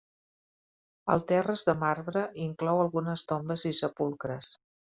El terra és de marbre i inclou algunes tombes i sepulcres.